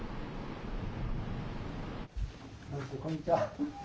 こんにちは。